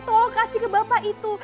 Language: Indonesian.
tolong kasih ke bapak itu